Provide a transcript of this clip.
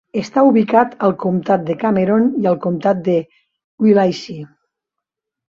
Està ubicat al comtat de Cameron i al comtat de Willacy.